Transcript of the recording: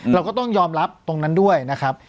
เราก็ต้องยอมรับตรงนั้นด้วยนะครับ